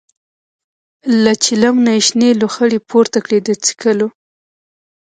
له چلم نه یې شنې لوخړې پورته کړې د څکلو.